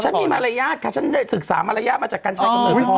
มีมารยาทค่ะฉันได้ศึกษามารยาทมาจากกัญชัยกำเนิดพ่อ